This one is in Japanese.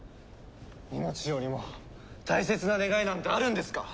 命よりも大切な願いなんてあるんですか？